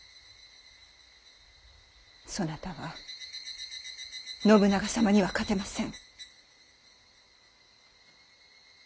そなたは信長様には勝てません。